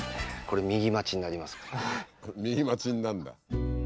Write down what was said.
右待ちになるんだ。